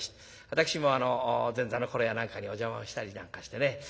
私も前座の頃やなんかにお邪魔をしたりなんかしてね。